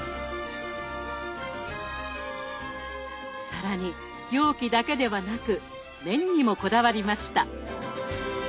更に容器だけではなく麺にもこだわりました。